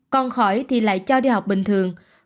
còn khỏi thì lại cho đi học bình thường